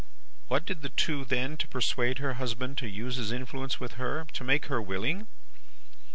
What did the two then, to persuade her husband to use his influence with her, to make her willing?